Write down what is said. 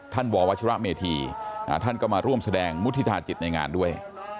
ววัชิระเมธีท่านก็มาร่วมแสดงมุฒิธาจิตในงานด้วย